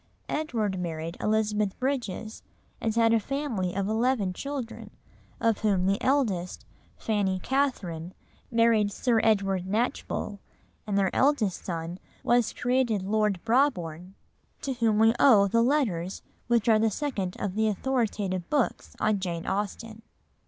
Edward married Elizabeth Bridges, and had a family of eleven children, of whom the eldest, Fanny Catherine, married Sir Edward Knatchbull, and their eldest son was created Lord Brabourne; to him we owe the Letters which are the second of the authoritative books on Jane Austen.